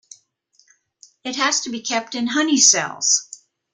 It has to be kept in honey cells.